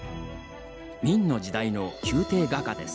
明の時代の宮廷画家です。